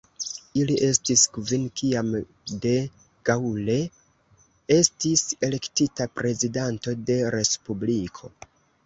Ili estis kvin kiam de Gaulle estis elektita prezidanto de Respubliko.